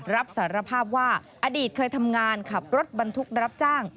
รับสารภาพว่าอดีตเคยทำงานขับรถบรรทุกรับจ้าง